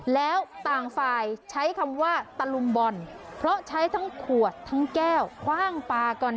แล้วต่างฝ่ายใช้คำว่าตะลุมบอลเพราะใช้ทั้งขวดทั้งแก้วคว่างปลาก่อน